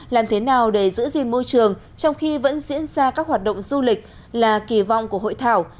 làm thế nào để giữ gìn môi trường trong khi vẫn diễn ra các hoạt động du lịch là kỳ vọng của hội thảo